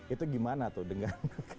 itu gimana tuh dengan